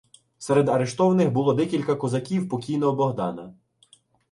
Серед арештованих було декілька козаків покійного Богдана.